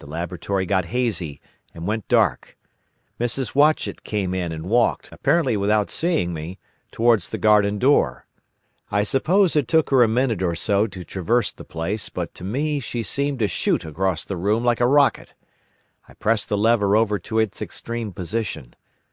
The laboratory got hazy and went dark. Mrs. Watchett came in and walked, apparently without seeing me, towards the garden door. I suppose it took her a minute or so to traverse the place, but to me she seemed to shoot across the room like a rocket. I pressed the lever over to its extreme position.